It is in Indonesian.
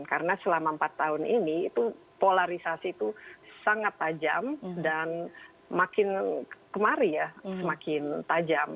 karena selama empat tahun ini polarisasi itu sangat tajam dan semakin kemari ya semakin tajam